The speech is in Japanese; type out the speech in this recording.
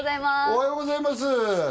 おはようございます